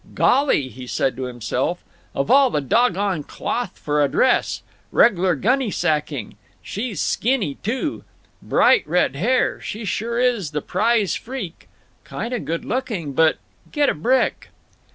"Golly!" he said to himself; "of all the doggone cloth for a dress! Reg'lar gunny sacking. She's skinny, too. Bright red hair. She sure is the prize freak. Kind of good looking, but—get a brick!"